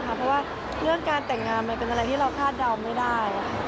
เพราะว่าเรื่องการแต่งงานมันเป็นอะไรที่เราคาดเดาไม่ได้